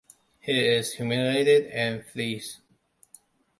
He is humiliated and flees.